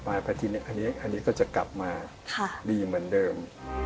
ไหว้พระอาทิตย์อันนี้ก็จะกลับมาดีเหมือนเดิม